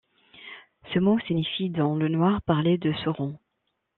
Ce mot signifie dans le noir parler de Sauron.